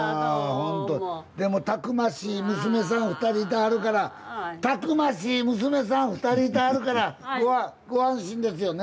でもたくましい娘さん２人いてはるからたくましい娘さん２人いてはるからご安心ですよね。